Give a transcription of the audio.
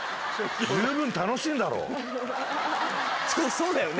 そうだよね。